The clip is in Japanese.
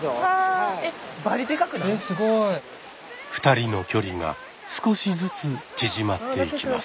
２人の距離が少しずつ縮まっていきます。